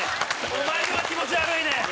お前の方が気持ち悪いねん！